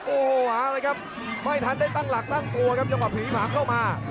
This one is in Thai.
โอ้โหไม่ทันได้ตั้งหลักตั้งตัวครับจังหวัดผีผลังเข้ามา